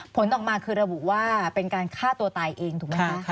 ผลออกมาคือระบุว่าเป็นการฆ่าตัวตายเองถูกไหมคะ